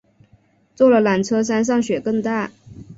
坐了缆车山上雪更大